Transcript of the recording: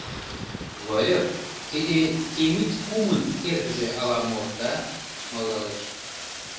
— Выльып, тиде Темит кумын эргыже ала-мо да? — малдалеш.